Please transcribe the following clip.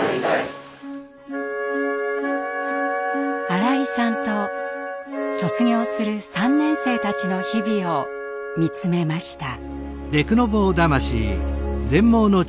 新井さんと卒業する３年生たちの日々を見つめました。